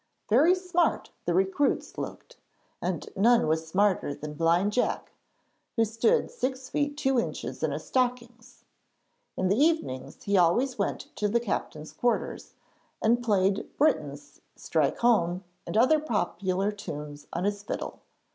Very smart the recruits looked, and none was smarter than Blind Jack, who stood six feet two inches in his stockings. In the evenings he always went to the captain's quarters, and played 'Britons, strike home,' and other popular tunes, on his fiddle.